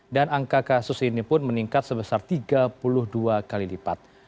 dan angka kasus ini pun meningkat sebesar tiga puluh dua kali lipat